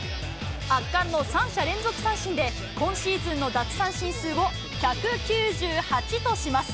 圧巻の３者連続三振で、今シーズンの奪三振数を１９８とします。